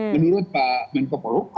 menurut pak menko polok